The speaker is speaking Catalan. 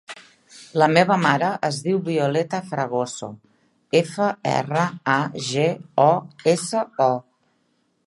La meva mare es diu Violeta Fragoso: efa, erra, a, ge, o, essa, o.